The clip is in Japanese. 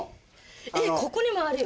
えっここにもあるよ。